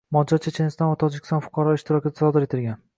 Mojaro Checheniston va Tojikiston fuqarolari ishtirokida sodir etilgan